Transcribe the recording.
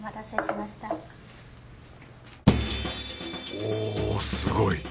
おぉすごい！